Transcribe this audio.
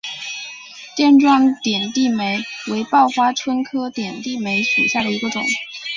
垫状点地梅为报春花科点地梅属下的一个种。